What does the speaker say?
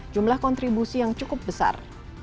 jumlah kontribusi yang cukup besar